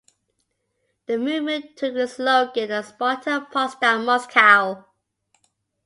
The movement took the slogan of "Sparta-Potsdam-Moscow".